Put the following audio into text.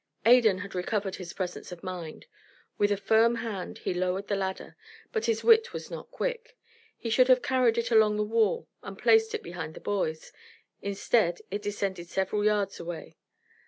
Adan had recovered his presence of mind. With a firm hand, he lowered the ladder. But his wit was not quick. He should have carried it along the wall and placed it behind the boys. Instead, it descended several yards away.